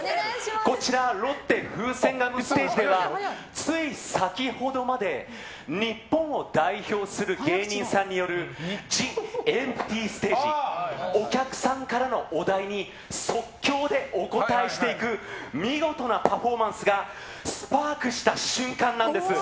こちら、ロッテふせんガムステージではつい先ほどまで日本を代表する芸人さんによるＴＨＥＥＭＰＴＹＳＴＡＧＥお客さんからのお題に即興でお答えしていく見事なパフォーマンスがスパークした瞬間なんです。